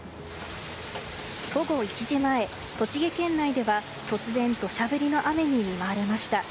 午後１時前、栃木県内では突然土砂降りの雨に見舞われました。